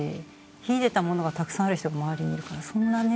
秀でたものがたくさんある人が周りにいるからそんなね